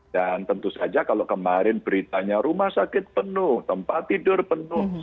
dan tentu saja kalau kemarin beritanya rumah sakit penuh tempat tidur penuh